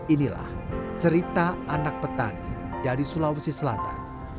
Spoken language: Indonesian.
inilah cerita anak petani dari sulawesi selatan